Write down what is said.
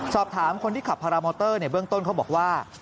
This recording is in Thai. สอบถามคนที่ขับพารามอเตอร์ในเบื้องต้นเขาบอกว่า